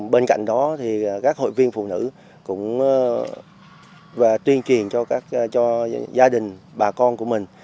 bên cạnh đó thì các hội viên phụ nữ cũng tuyên truyền cho gia đình bà con của mình